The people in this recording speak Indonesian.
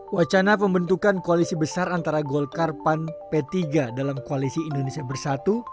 wacana pembentukan koalisi besar antara golkar pan p tiga dalam koalisi indonesia bersatu